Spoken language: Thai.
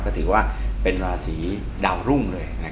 ก็ถือว่าเป็นราศีดาวรุ่งเลย